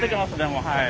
もうはい。